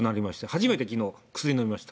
初めてきのう、薬飲みました。